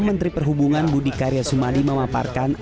menteri perhubungan budi karya sumadi memaparkan